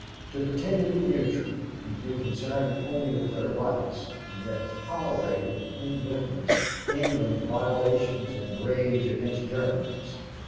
To pretend to be neutral and to be concerned only with their rights, and yet tolerate with indifference England's violations and rage against Germany's."